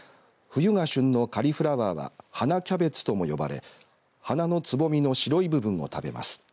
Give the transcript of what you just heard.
冬が旬のカリフラワーは花キャベツとも呼ばれ花のつぼみの白い部分を食べます。